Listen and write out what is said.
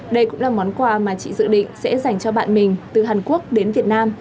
đây cũng là món quà mà chị dự định sẽ dành cho bạn mình từ hàn quốc đến việt nam